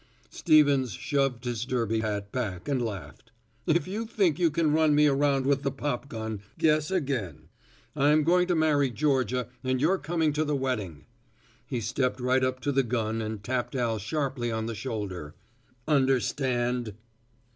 Stevens shoved his derby hat back and laughed. "If you think you can run me around with the pop gun, guess again. I'm going to marry Georgia and you're coming to the wedding," he stepped right up to the gun and tapped Al sharply on the shoulder, "understand."